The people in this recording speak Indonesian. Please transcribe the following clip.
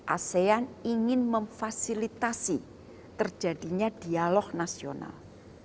asean ingin memfasilitasi terjadinya dialog nasional